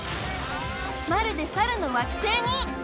まるで猿の惑星に！？